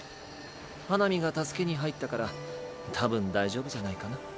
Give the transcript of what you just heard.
花御が助けに入ったからたぶん大丈夫じゃないかな。